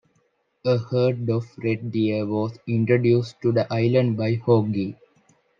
A herd of red deer was introduced to the island by Haughey.